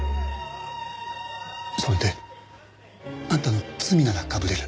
それであんたの罪ならかぶれる。